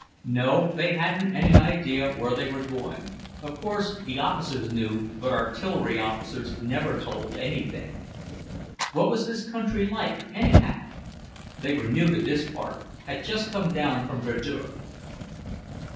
No, they hadn't any idea where they were going; of course, the officers knew, but artillery officers never told anything. What was this country like, anyhow? They were new to this part, had just come down from Verdure.